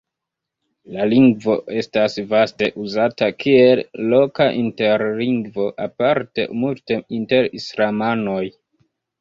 La lingvo estas vaste uzata kiel loka interlingvo, aparte multe inter islamanoj.